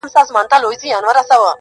اورونه دې دستي، ستا په لمن کي جانانه_